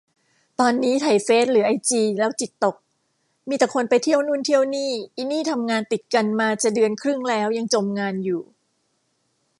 ตอนนี้ไถเฟซหรือไอจีแล้วจิตตก มีแต่คนไปเที่ยวนู่นเที่ยวนี่ อินี่ทำงานติดกันมาจะเดือนครึ่งแล้วยังจมงานอยู่